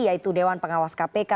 yaitu dewan pengawas kpk